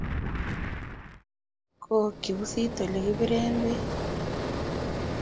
Kookchi pusut ole kipiren peek.